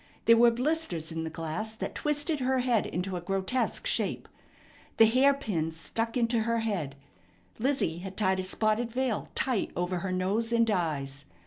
There were blisters in the glass that twisted her head into a grotesque shape. The hairpins stuck into her head. Lizzie had tied a spotted veil tight over her nose and eyes.